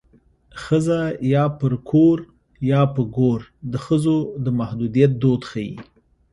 ښځه یا پر کور یا په ګور د ښځو د محدودیت دود ښيي